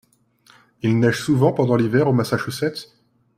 Il neige souvent pendant l’hiver au Massachusetts ?